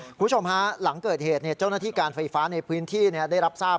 คุณผู้ชมฮะหลังเกิดเหตุเจ้าหน้าที่การไฟฟ้าในพื้นที่ได้รับทราบ